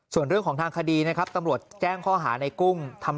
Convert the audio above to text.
ส่วนเรื่องของทางคดีนะครับตำรวจแจ้งข้อหาในกุ้งทำ